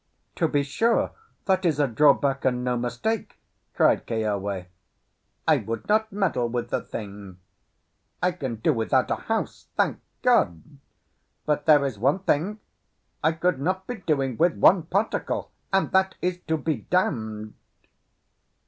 "To be sure, that is a drawback and no mistake," cried Keawe. "I would not meddle with the thing. I can do without a house, thank God; but there is one thing I could not be doing with one particle, and that is to be damned."